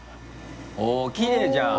あっきれいじゃん。